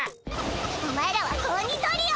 お前らは子鬼トリオ！